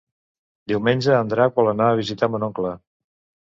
Diumenge en Drac vol anar a visitar mon oncle.